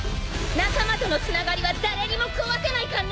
仲間とのつながりは誰にも壊せないかんね！